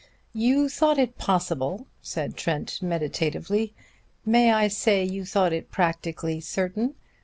"You thought it possible," said Trent meditatively, "may I say you thought it practically certain?